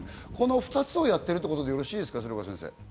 この２つをやってるということでよろしいですか？